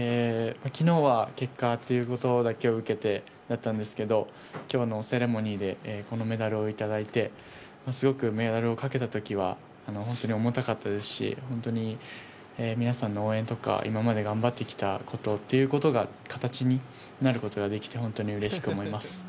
昨日は結果ということだけを受けてだったんですけれども、今日のセレモニーでこのメダルをいただいて、すごくメダルをかけたときは本当に重たかったですし本当に皆さんの応援とか今まで頑張ってきたことが形になることができて本当にうれしく思います。